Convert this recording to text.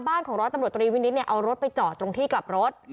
บ้านของร้อยตำรวจตรีวินิตเนี่ยเอารถไปจอดตรงที่กลับรถ